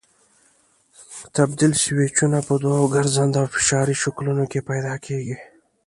تبدیل سویچونه په دوو ګرځنده او فشاري شکلونو کې پیدا کېږي.